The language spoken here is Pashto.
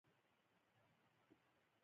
تحمل ښه دی.